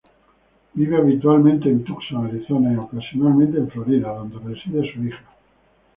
Vive habitualmente en Tucson, Arizona, y ocasionalmente en Florida, donde reside su hija.